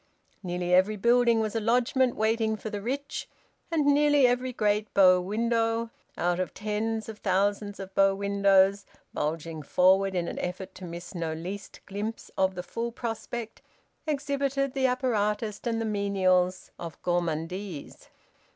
Nearly every building was a lodgement waiting for the rich, and nearly every great bow window, out of tens of thousands of bow windows bulging forward in an effort to miss no least glimpse of the full prospect, exhibited the apparatus and the menials of gourmandise.